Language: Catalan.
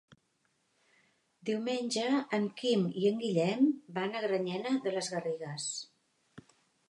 Diumenge en Quim i en Guillem van a Granyena de les Garrigues.